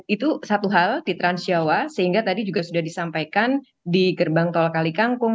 itu satu hal di transjawa sehingga tadi juga sudah disampaikan di gerbang tol kalikangkung